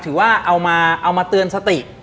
ถือว่าเอามาเตือนสติ